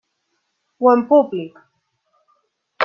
O en el públic.